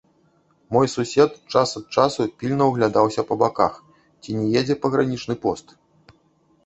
Мой сусед час ад часу пільна ўглядаўся па баках, ці не едзе пагранічны пост.